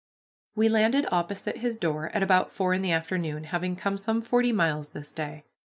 We landed opposite his door at about four in the afternoon, having come some forty miles this day.